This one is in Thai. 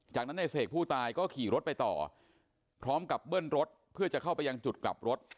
จากนั้นในเสกผู้ตายก็ขี่รถไปต่อพร้อมกับเบิ้ลรถเพื่อจะเข้าไปยังจุดกลับรถ